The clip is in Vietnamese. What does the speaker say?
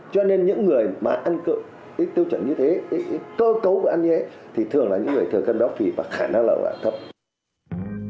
cho nên những người mà ăn ít tiêu chuẩn như thế ít cơ cấu ăn như thế thì thường là những người thường cân béo phì và khả năng lượng